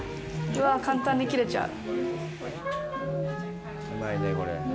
うわっ、簡単に切れちゃう。